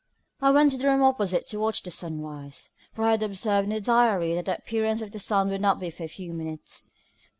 I went to the room opposite to watch the sunrise, for I had observed in the diary that the appearance of the sun would not be for a few minutes.